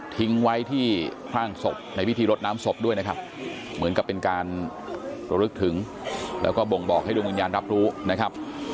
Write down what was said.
ทิ้งไว้ที่ข้างศพในพิธีรดน้ำศพด้วยนะครับเหมือนกับเป็นการระลึกถึงแล้วก็บ่งบอกให้ดวงวิญญาณรับรู้นะครับ